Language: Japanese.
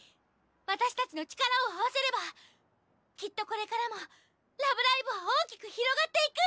私たちの力を合わせればきっとこれからもラブライブは大きく広がっていく！